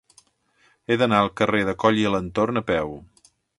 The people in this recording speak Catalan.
He d'anar al carrer de Coll i Alentorn a peu.